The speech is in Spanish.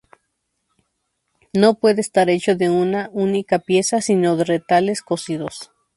No puede estar hecho de una única pieza, sino de retales cosidos.